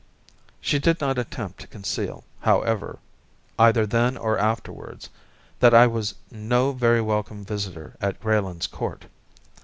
She did not attempt to conceal, however, either then or afterwards, that I was no very welcome visitor at Greylands Court.